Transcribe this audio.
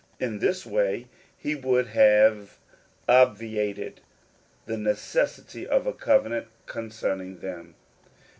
In this way he would have obviated the necessity of a covenant concerning them.